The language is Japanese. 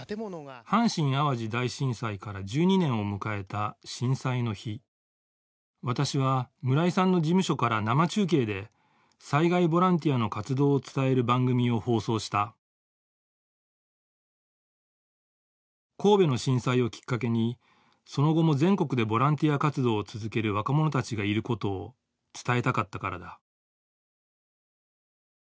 阪神・淡路大震災から１２年を迎えた震災の日私は村井さんの事務所から生中継で災害ボランティアの活動を伝える番組を放送した神戸の震災をきっかけにその後も全国でボランティア活動を続ける若者たちがいることを伝えたかったからだ